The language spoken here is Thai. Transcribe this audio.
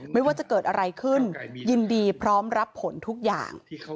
ไม่ว่าจะเกิดอะไรขึ้นยินดีพร้อมรับผลทุกอย่าง